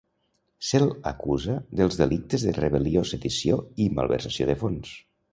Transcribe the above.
Se’l acusa dels delictes de rebel·lió, sedició, i malversació de fons.